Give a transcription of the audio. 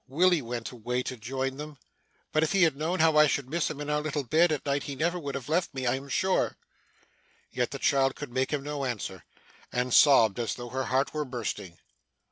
Willy went away, to join them; but if he had known how I should miss him in our little bed at night, he never would have left me, I am sure.' Yet the child could make him no answer, and sobbed as though her heart were bursting.